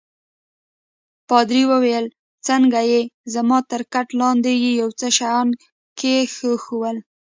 پادري وویل: څنګه يې؟ زما تر کټ لاندي يې یو څه شیان کښېښوول.